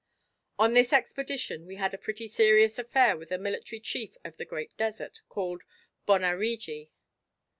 On this expedition we had a pretty serious affair with a military chief of the great desert, called Bon Arredji.